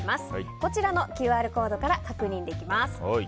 こちらのＱＲコードから確認できます。